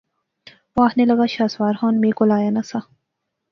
او آخنے لغا شاہ سوار خان میں کول آیا نہ سا